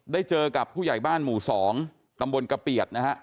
ได้เจอกับผู้ใหญ่บ้านหมู่๒ตำบลกระเปียดนะฮะ